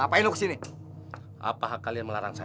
hai apaan ini apa kalian melarang saya